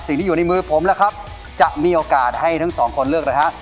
อยู่ในมือผมล่ะครับจะมีโอกาสให้ทั้งสองคนเลือกนะฮะ